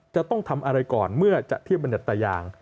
จะต้องทำอะไรก่อนเมื่อจะเทียบบรรยัตตายาง